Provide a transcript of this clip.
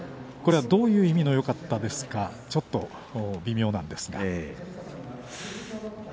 これはどういう意味の、よかったですか、ちょっと微妙なんですが。